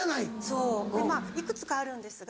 そうで幾つかあるんですが。